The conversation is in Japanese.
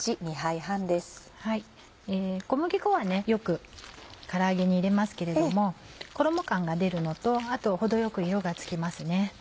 小麦粉はよくから揚げに入れますけれども衣感が出るのとあと程よく色がつきますね。